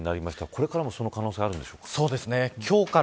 これからもその可能性はあるんでしょうか。